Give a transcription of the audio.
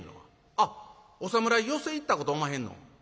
「あっお侍寄席行ったことおまへんの？